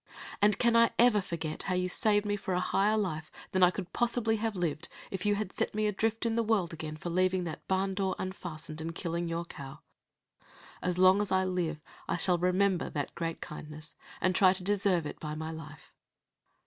And can I ever forget how you saved me for a higher life than I could possibly have lived if you had set me adrift in the world again for leaving that barn door unfastened, and killing your cow? As long as I live, I shall remember that great kindness, and shall try to deserve it by my life."